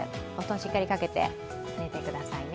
しっかりかけて寝てくださいね。